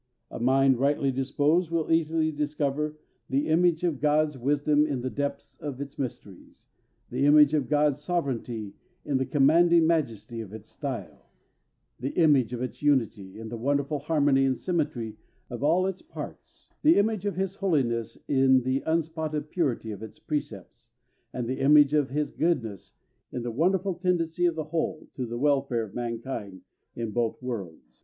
A mind rightly disposed will easily discover the image of God's wisdom in the depths of its mysteries, the image of God's sovereignty in the commanding majesty of its style, the image of his unity in the wonderful harmony and symmetry of all its parts, the image of his holiness in the unspotted purity of its precepts, and the image of his goodness in the wonderful tendency of the whole to the welfare of mankind in both worlds.